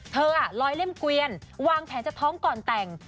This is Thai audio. ลอยเล่มเกวียนวางแผนจะท้องก่อนแต่ง